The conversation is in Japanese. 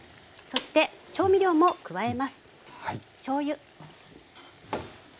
そして調味料も加えます。